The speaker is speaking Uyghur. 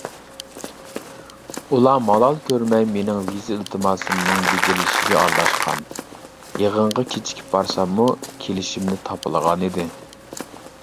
ئۇلار مالال كۆرمەي مىنىڭ ۋىزا ئىلتىماسىمنىڭ بېجىرىلىشىگە ئارىلاشقان، يىغىنغا كېچىكىپ بارساممۇ كېلىشىمنى تاپىلىغان ئىدى.